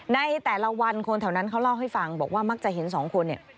ในแต่ละวันคนแถวนั้นเขาเล่าให้ฟังบอกว่ามักจะเห็นสองคนเนี่ย